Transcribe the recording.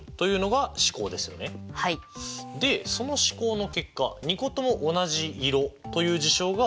でその試行の結果２個とも同じ色という事象が起こる確率でしょ。